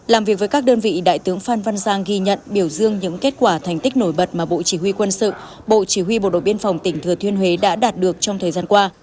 làm việc với các đơn vị đại tướng phan văn giang ghi nhận biểu dương những kết quả thành tích nổi bật mà bộ chỉ huy quân sự bộ chỉ huy bộ đội biên phòng tỉnh thừa thiên huế đã đạt được trong thời gian qua